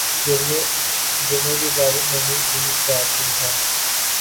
گرنے کی اجازت نہیں دی جاتی ہے